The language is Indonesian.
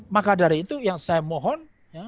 maka dari itu yang saya mohon